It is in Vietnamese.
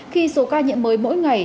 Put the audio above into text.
khi số ca nhiễm mới mỗi ngày